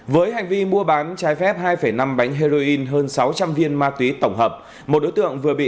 với hành vi mua bán trái phép hai năm bánh heroin hơn sáu trăm linh viên ma túy tổng hợp một đối tượng vừa bị